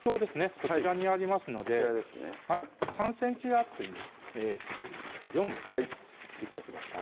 そちらにありますので３ｃｍ厚に４枚ですね切ってください